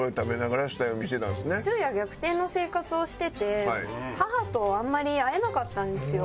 昼夜逆転の生活をしてて母とあんまり会えなかったんですよ。